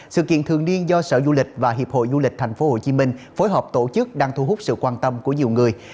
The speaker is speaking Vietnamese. sự kiện thường niên do sở du lịch và hiệp hội du lịch thành phố hồ chí minh phối hợp tổ chức đang thu hút sự quan tâm của nhiều người